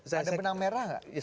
ada benang merah gak